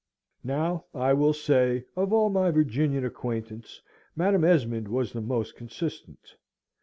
Now, I will say, of all my Virginian acquaintance, Madam Esmond was the most consistent.